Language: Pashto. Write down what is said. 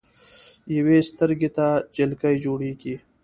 يوې سترګې ته جالکي جوړيږي